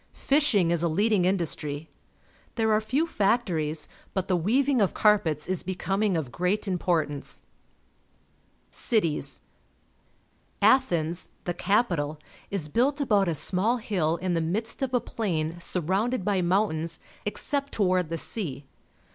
Fisliing is a leading industry. There are few factories, but the weaving of carpets is becoming of great importance. Cities. — Athens, the capital, is built about a small hill in the midst of a plain surrounded by mountains except toward the sea.